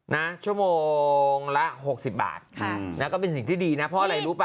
นะชั่วโมงละหกสิบบาทค่ะน่ะก็เป็นสิ่งที่ดีน่ะเพราะอะไรรู้ป่ะ